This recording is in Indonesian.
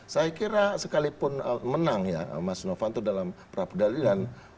saya kira sekalipun menang ya mas novanto dalam peradilan